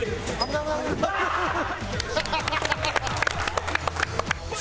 ハハハハ！